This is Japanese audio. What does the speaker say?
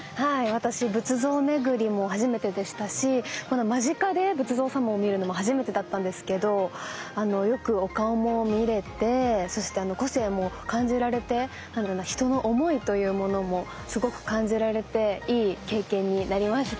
私仏像巡りも初めてでしたしこんな間近で仏像様を見るのも初めてだったんですけどよくお顔も見れてそして個性も感じられて何だろな人の思いというものもすごく感じられていい経験になりました。